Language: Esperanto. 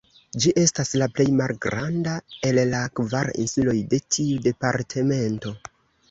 Ĝi estas la plej malgranda el la kvar insuloj de tiu departemento.